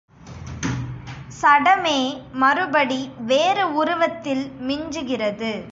சடமே மறுபடி வேறு உருவத்தில் மிஞ்சுகிறது.